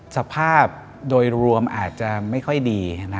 สภาพโดยรวมอาจจะไม่ค่อยดี